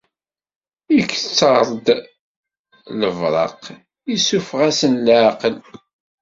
Iketter-d lebraq, issufeɣ-asen leɛqel.